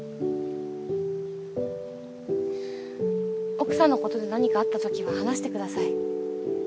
奥さんのことで何かあったときは話してください。